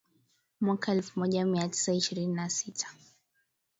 mwaka elfu moja mia tisa ishirini na sita